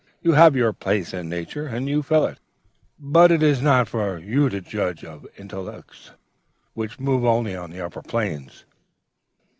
You have your place in Nature, and you fill it; but it is not for you to judge of intelligences which move only on the upper planes.'